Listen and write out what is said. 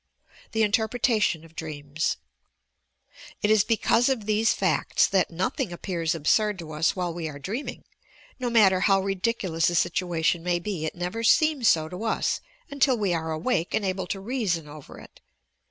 THE INTERPRETATION OP DREAUS It is because of these facts that nothing appears absurd to us while we are dreaming; no matter how ridiculous YOUR PSYCHIC POWERS a situation may be, it never seems so io us until we are awake and able to reason over it.